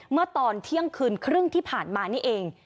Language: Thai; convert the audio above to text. เมื่อตอนเที่ยงคืนครึ่งที่ผ่านมานี่เอง